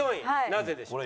なぜでしょう？